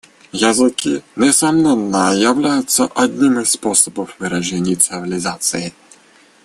Языки, несомненно, являются одним из способов выражения цивилизации.